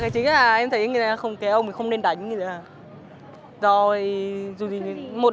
chính là em thấy cái ông mình không nên đánh